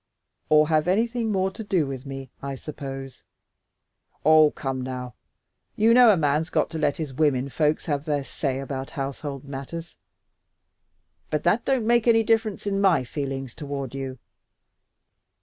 "Or have anything more to do with me, I suppose?" "Oh, come now! You know a man's got to let his women folks have their say about household matters, but that don't make any difference in my feelings toward you."